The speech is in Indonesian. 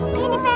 pegang yang baik